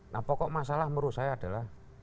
nah pokok masalah menurut saya adalah